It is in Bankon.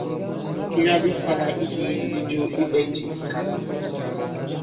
Bìkiga bi sala ikigikdi jo i ɓɛ̀njì ì ŋ̀kànlɛ̀.